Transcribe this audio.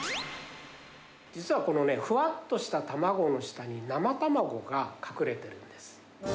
実はこのふわっとした卵の下に、生卵が隠れてるんです。